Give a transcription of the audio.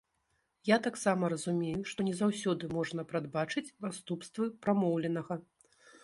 Я таксама разумею, што не заўсёды можна прадбачыць наступствы прамоўленага.